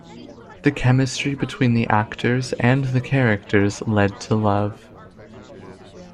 The chemistry between the actors, and the characters, led to love.